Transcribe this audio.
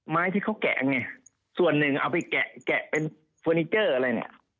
ไม้ที่เขาแกะไงส่วนหนึ่งเอาไปแกะแกะเป็นเฟอร์นิเจอร์อะไรเนี่ย